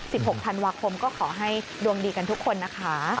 หกธันวาคมก็ขอให้ดวงดีกันทุกคนนะคะ